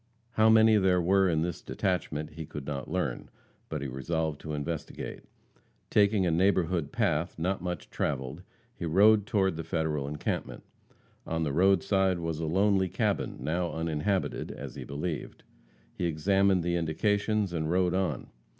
How many there were in this detachment he could not learn. But he resolved to investigate. Taking a neighborhood path, not much traveled, he rode toward the Federal encampment. On the roadside was a lonely cabin, now uninhabited, as he believed. He examined the indications, and rode on.